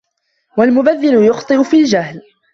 وَالْمُبَذِّرُ يُخْطِئُ فِي الْجَهْلِ